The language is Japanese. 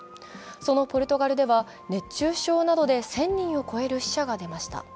そのポルトガルでは、熱中症などで１０００人を超える死者が出ました。